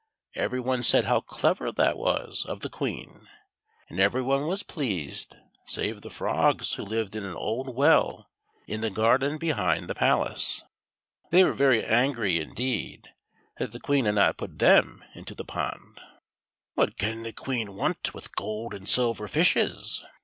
E/ery oiie said how clever that was of the Queen, and every one \va.s pleased save the frogs who lived in an old well in the garden behind the palace. 26 THE SILVER FISH. They were very angry, indeed, that the Queen had not put them into the pond. "What can the Queen want with gold and silver fishes?"